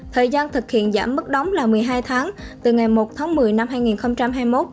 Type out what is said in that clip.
thời gian thực hiện giảm mức đóng là một mươi hai tháng từ ngày một tháng một mươi năm hai nghìn hai mươi một